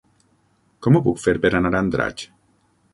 Com ho puc fer per anar a Andratx?